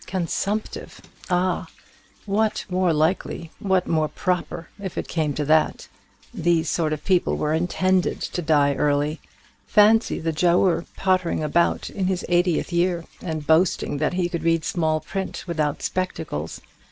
Consumptive! Ah, what more likely, what more proper, if it came to that? These sort of people were intended to die early. Fancy the Giaour pottering about in his eightieth year, and boasting that he could read small print without spectacles!